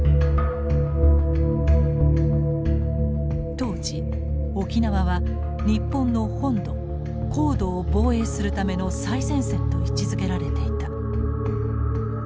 当時沖縄は日本の本土皇土を防衛するための最前線と位置づけられていた。